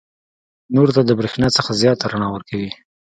نورو ته د برېښنا څخه زیاته رڼا ورکوي.